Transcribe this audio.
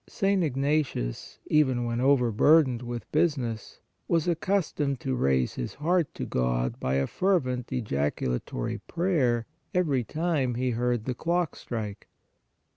St. Ignatius, even when overburdened with business, was accustomed to raise his heart to God by a fer vent ejaculatory prayer every time he heard the clock strike.